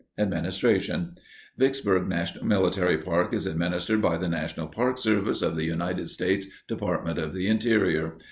Administration Vicksburg National Military Park is administered by the National Park Service of the United States Department of the Interior.